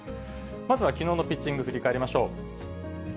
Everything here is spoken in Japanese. まずはきのうのピッチング、振り返りましょう。